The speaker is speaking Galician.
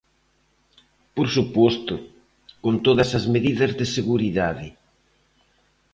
Por suposto, con todas as medidas de seguridade.